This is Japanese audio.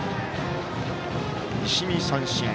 石見、三振。